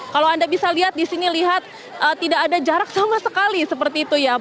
kalau anda bisa lihat di sini lihat tidak ada jarak sama sekali seperti itu ya